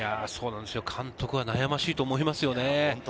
監督は悩ましいと思います。